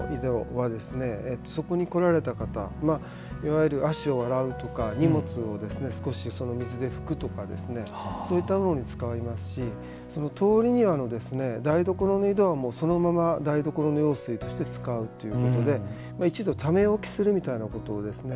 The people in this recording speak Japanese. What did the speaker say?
それぞればらばらといえばばらばらなんですけれども玄関先の見せの間の井戸はそこに来られた方いわゆる足を洗うとか荷物を少しその水で拭くとかそういったものに使いますし通り庭の台所の井戸はそのまま台所の用水として使うということで一度、ため起きするみたいなことですね。